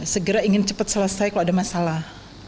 segera ingin cepat selesai kalau ada masalah